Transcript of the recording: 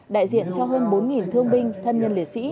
đại diện cho hơn bốn thương binh thân nhân liệt sĩ